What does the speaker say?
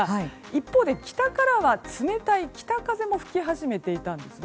一方で北からは、冷たい北風も吹き始めていたんです。